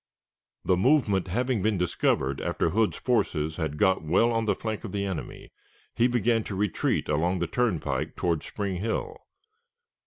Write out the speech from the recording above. The movement having been discovered after Hood's forces had got well on the flank of the enemy, he began to retreat along the turnpike toward Spring Hill.